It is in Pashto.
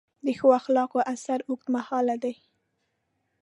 د ښو اخلاقو اثر اوږدمهاله دی.